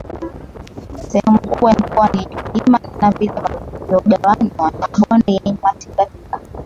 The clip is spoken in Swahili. sehemu kubwa ya mkoa ni yenye milima na vilima vilivyogawanywa na mabonde yenye matingatinga